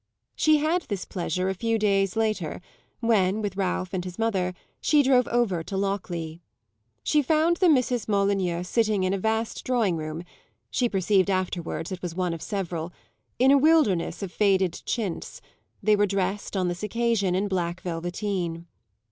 She had this pleasure a few days later, when, with Ralph and his mother, she drove over to Lockleigh. She found the Misses Molyneux sitting in a vast drawing room (she perceived afterwards it was one of several) in a wilderness of faded chintz; they were dressed on this occasion in black velveteen.